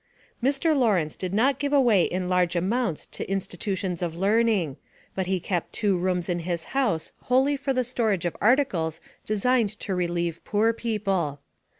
Mr. Lawrence did not give away in large amounts to institutions of learning, but he kept two rooms in his house wholly for the storage of articles designed to relieve poor people.